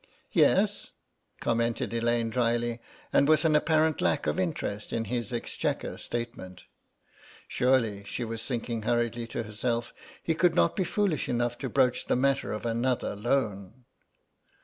"Yes?" commented Elaine dryly and with an apparent lack of interest in his exchequer statement. Surely, she was thinking hurriedly to herself, he could not be foolish enough to broach the matter of another loan.